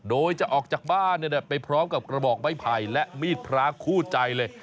โดยจะออกจากบ้านไปพร้อมกับกระบอกไม้ไผ่และมีดพระคู่ใจเลย